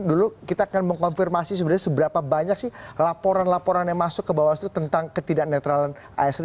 dulu kita akan mengkonfirmasi sebenarnya seberapa banyak sih laporan laporan yang masuk ke bawaslu tentang ketidak netralan asli